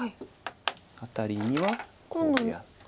アタリにはこうやって。